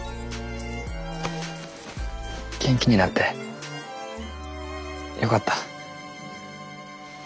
元気になってよかった。